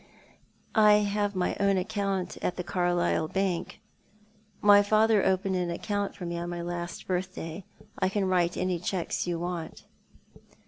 " I have my own account at the Carlisle Bank. My father opened an account for me on my last birthday. I can write any cheques you want."